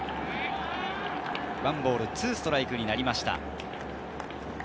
１ボール２ストライクになりました。